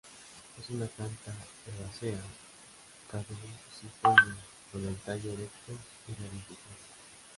Es una planta herbácea caducifolia con el tallo erecto y ramificado.